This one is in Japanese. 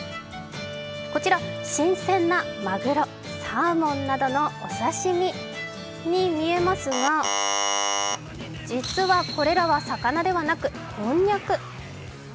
こちら、新鮮なまぐろ、サーモンなどのお刺身に見えますが、実は、これらは魚ではなく、こんにゃく。